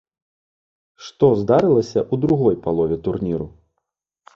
Што здарылася ў другой палове турніру?